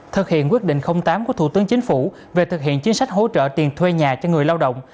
thực hiện quyết định tám của thủ tướng chính phủ về thực hiện chính sách hỗ trợ tiền thuê nhà cho người lao động